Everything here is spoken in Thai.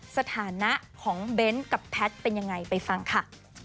สถานะของเบ้นกับแพทย์เป็นยังไงไปฟังค่ะ